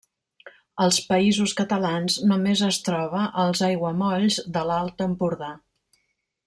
Als Països Catalans només es troba als aiguamolls de l'Alt Empordà.